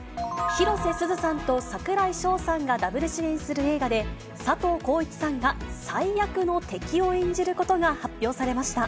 広瀬すずさんと櫻井翔さんがダブル主演する映画で、佐藤浩市さんが最悪の敵を演じることが発表されました。